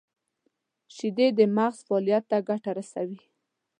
• شیدې د مغز فعالیت ته ګټه رسوي.